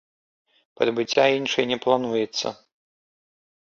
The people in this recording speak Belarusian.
Прыбыцця іншай не плануецца.